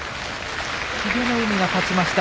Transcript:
英乃海が勝ちました。